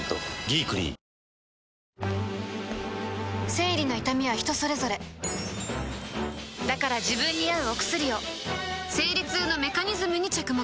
生理の痛みは人それぞれだから自分に合うお薬を生理痛のメカニズムに着目